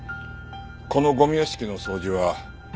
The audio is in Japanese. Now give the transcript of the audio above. このゴミ屋敷の掃除はお二人で？